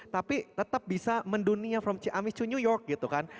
tapi tetap bisa mendunia from ciamis to new york gitu kan